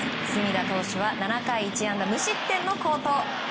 隅田投手は７回１安打無失点の好投。